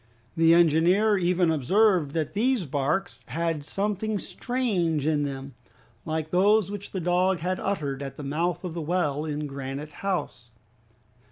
The engineer even observed that these barks had something strange in them, like those which the dog had uttered at the mouth of the well in Granite House.